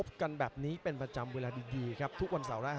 จังหวาดึงซ้ายตายังดีอยู่ครับเพชรมงคล